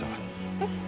えっ？